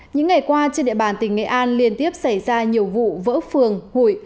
những ngày qua trên địa bàn tỉnh nghệ an liên tiếp xảy ra nhiều vụ vỡ phường hụi